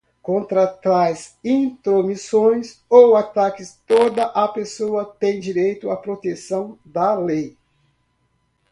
Contra tais intromissões ou ataques toda a pessoa tem direito a protecção da lei.